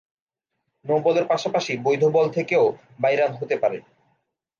নো-বলের পাশাপাশি বৈধ বল থেকেও বাই রান হতে পারে।